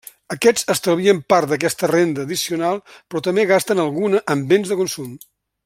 Aquests estalvien part d'aquesta renda addicional, però també gasten alguna en béns de consum.